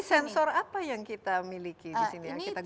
jadi sensor apa yang kita miliki di sini